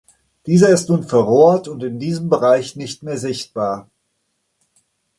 Dieser ist nun verrohrt und in diesem Bereich nicht mehr sichtbar.